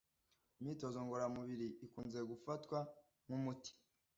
imyitozo ngororamubiri ikunze gufatwa nkumuti